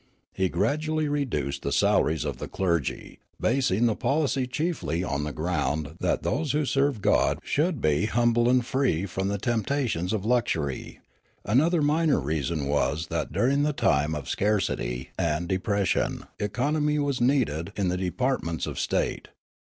He gradually reduced the salaries of the clergy, basing the policy chiefly on the ground that those who served God should be humble and free from the temptations of luxury ; another and minor reason was that during a time of scarcity and depression economy was needed in the The Church and JournaHsm 83 departments of the state.